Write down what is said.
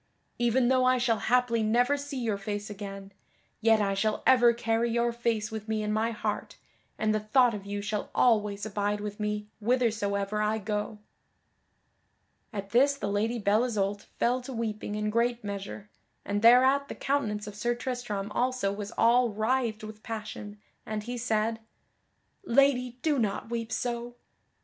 Even though I shall haply never see your face again, yet I shall ever carry your face with me in my heart, and the thought of you shall always abide with me withersoever I go." At this the Lady Belle Isoult fell to weeping in great measure, and thereat the countenance of Sir Tristram also was all writhed with passion, and he said, "Lady, do not weep so!"